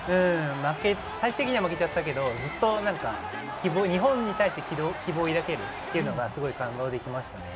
最終的には負けちゃったけれど、ずっと何か日本に対して希望を抱けるというのが、すごく感動できましたね。